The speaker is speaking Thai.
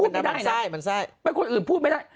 ถ้าเป็นคนอื่นพูดไม่ได้นะ